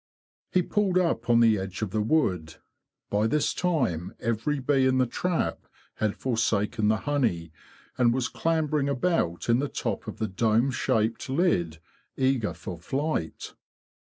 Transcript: He pulled up on the edge of the wood. By this time every bee in the trap had forsaken the honey, and was clambering about in the top of the dome shaped lid, eager for flight.